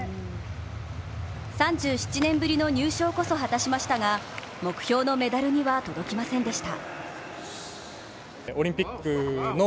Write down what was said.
３７年ぶりの入賞こそ果たしましたが目標のメダルには届きませんでした。